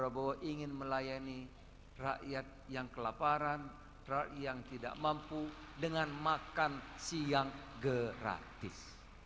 pak prabowo ingin melayani rakyat yang kelaparan yang tidak mampu dengan makan siang gratis